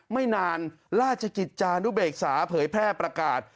ไม่นานราชกิจจานุเบกษาเผยแพร่ประกาศ